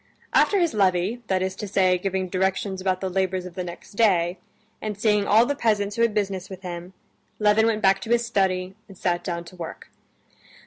After his levee, that is to say, giving directions about the labors of the next day, and seeing all the peasants who had business with him, Levin went back to his study and sat down to work.